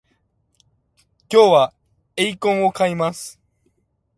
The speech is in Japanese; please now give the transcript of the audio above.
今日はエイコンを買います